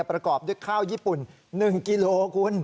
ประกอบด้วยข้าวญี่ปุ่น๑กิโลคุณ